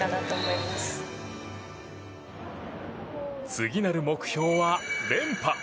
次なる目標は連覇。